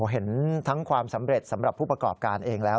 เห็นทั้งความสำเร็จสำหรับผู้ประกอบการเองแล้ว